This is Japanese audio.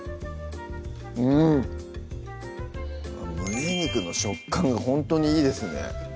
うん胸肉の食感がほんとにいいですね